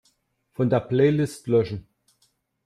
Von der Playlist löschen.